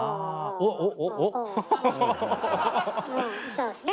うんそうですね。